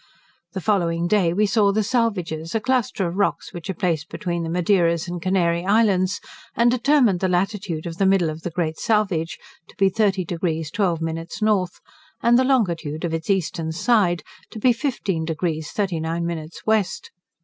The following day we saw the Salvages, a cluster of rocks which are placed between the Madeiras and Canary Islands, and determined the latitude of the middle of the Great Salvage to be 30 deg 12 min north, and the longitude of its eastern side to be 15 deg 39 min west.